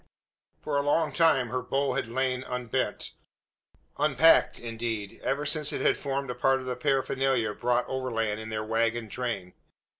For a long time her bow had lain unbent unpacked, indeed, ever since it had formed part of the paraphernalia brought overland in the waggon train.